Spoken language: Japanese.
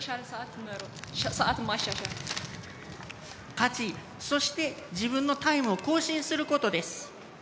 勝ち、そして自分のタイムを更新することです。